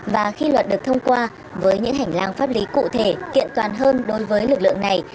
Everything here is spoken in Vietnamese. và khi luật được thông qua với những hành lang pháp lý cụ thể kiện toàn hơn đối với lực lượng này